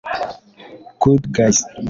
Good Guyz